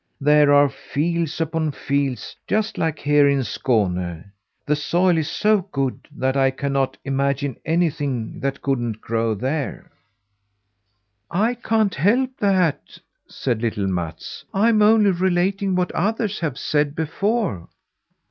There are fields upon fields, just like here in Skåne. The soil is so good that I cannot imagine anything that couldn't grow there." "I can't help that," said little Mats. "I'm only relating what others have said before."